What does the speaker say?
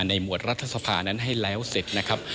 หมวดรัฐสภานั้นให้แล้วเสร็จนะครับ